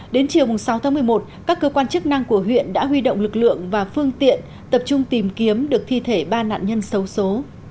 đến chiều sáu tháng một mươi một các cơ quan chức năng của huyện đã huy động lực lượng và phương tiện tập trung tìm kiếm được thi thể ba nạn nhân xấu xố